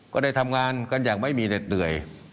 ก็ได้ทำงานกันอย่างไม่มีเหน็ดเหนื่อย